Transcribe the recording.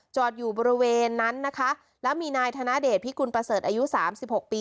จอดอยู่บริเวณนั้นนะคะแล้วมีนายธนเดชพิกุลประเสริฐอายุสามสิบหกปี